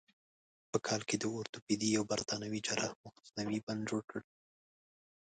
په کال کې د اورتوپیدي یو برتانوي جراح مصنوعي بند جوړ کړ.